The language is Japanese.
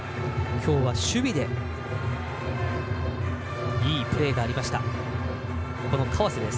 きょうは守備でいいプレーがありました川瀬です。